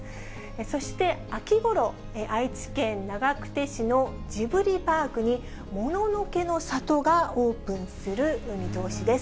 そして秋ごろ、愛知県長久手市のジブリパークに、もののけの里がオープンする見通しです。